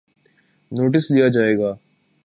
Notice لیا جائے گا۔